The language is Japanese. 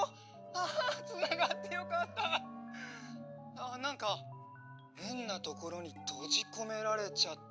ああなんかへんなところにとじこめられちゃって。